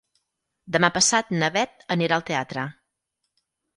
Demà passat na Bet anirà al teatre.